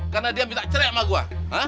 karena dia minta cerai sama gua